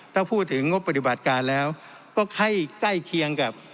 ถ้าพูดถึงงบปฏิบัติการแล้วก็ให้ใกล้เคียงกับ